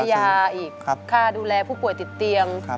ยาอีกค่าดูแลผู้ป่วยติดเตียง